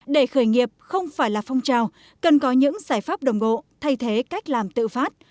để khởi nghiệp không phải là phong trào cần có những giải pháp đồng bộ thay thế cách làm tự phát